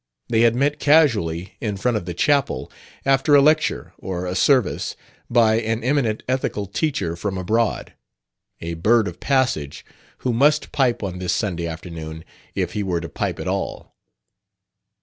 They had met casually, in front of the chapel, after a lecture or a service by an eminent ethical teacher from abroad, a bird of passage who must pipe on this Sunday afternoon if he were to pipe at all.